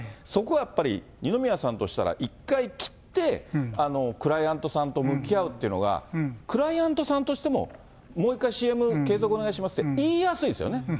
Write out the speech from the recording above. つまりそこは二宮さんとしては一回切って、クライアントさんと向き合うというのは、クライアントさんとしても、もう一回ＣＭ継続お願いしますって、言いやすいですよね。